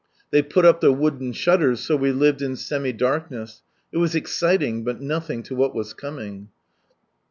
They put up the wooden shutters, so we lived in semi darkness. It was exciting, but nothing to what was coming.